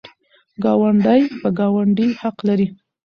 ګاونډی په ګاونډي حق لري.